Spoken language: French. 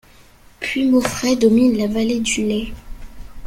Puymaufrais domine la vallée du Lay.